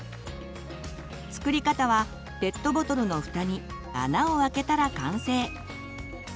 作り方はペットボトルのふたに穴を開けたら完成。